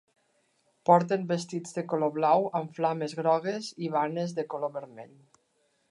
Porten vestits de color blau amb flames grogues, i banyes de color vermell.